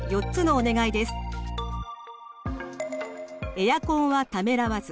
エアコンはためらわず。